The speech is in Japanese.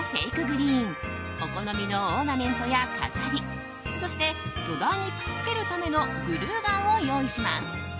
グリーンお好みのオーナメントや飾りそして土台にくっつけるためのグルーガンを用意します。